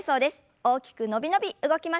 大きく伸び伸び動きましょう。